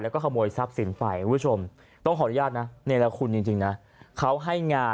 แล้วก็ขโมยทรัพย์สินไฟคุณผู้ชมต้องขออนุญาตน่ะ